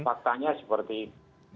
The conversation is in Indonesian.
faktanya seperti ini